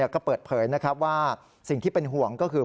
ก็เปิดเผยนะครับว่าสิ่งที่เป็นห่วงก็คือ